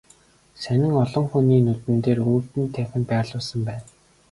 Сонин олон хүний нүдэн дээр үүдний танхимд байрлуулсан байна.